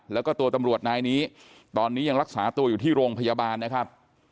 แล้วก็ตัวตำรวจนายนี้ตอนนี้ยังรักษาตัวอยู่ที่โรงพยาบาลนะครับ